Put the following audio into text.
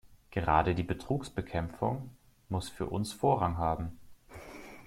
Gerade die Betrugsbekämpfung muss für uns Vorrang haben.